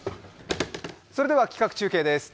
それでは企画中継です。